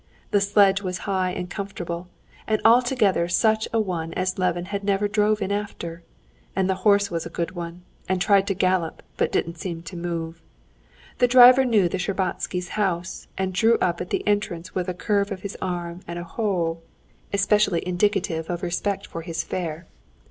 The sledge was high and comfortable, and altogether such a one as Levin never drove in after, and the horse was a good one, and tried to gallop but didn't seem to move. The driver knew the Shtcherbatskys' house, and drew up at the entrance with a curve of his arm and a "Wo!" especially indicative of respect for his fare.